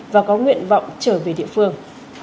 và có nguyện vọng trở về địa phương